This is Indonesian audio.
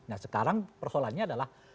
nah sekarang persoalannya adalah